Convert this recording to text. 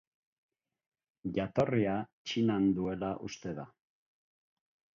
Jatorria Txinan duela uste da.